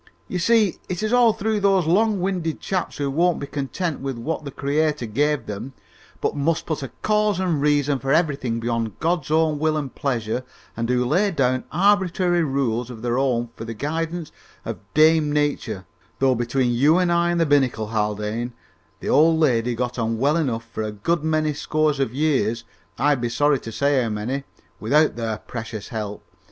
"You see, it is all through those long winded chaps, who won't be content with what the Creator gives them, but must put a cause and reason for everything beyond God's own will and pleasure, and who lay down arbitrary rules of their own for the guidance of Dame Nature, though, between you and I and the binnacle, Haldane, the old lady got on well enough for a good many scores of years I'd be sorry to say how many without their precious help!